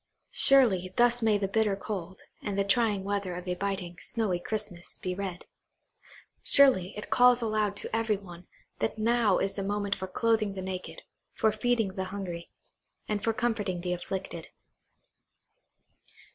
Surely, thus may the bitter cold, and the trying weather of a biting, snowy Christmas, be read. Surely, it calls aloud to every one, that now is the moment for clothing the naked, for feeding the hungry, and for comforting the afflicted.